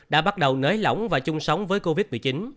đã bắt đầu nới lỏng và chung sống với covid một mươi chín